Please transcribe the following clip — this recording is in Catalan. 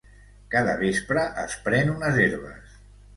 Cada vespre es pren unes herbes.